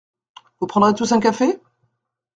Vous prendrez tous un café ?